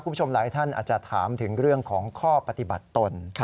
คุณผู้ชมหลายท่านอาจจะถามถึงเรื่องของข้อปฏิบัติตน